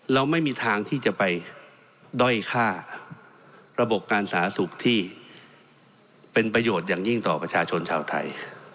เราไม่มีทางที่จะไปด้อยค่าระบบการสาธารณสุขที่เป็นประโยชน์อย่างยิ่งต่อประชาชนชาวไทย